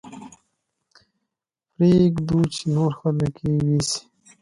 پرې يې ږدو چې نور خلک يې ويسي.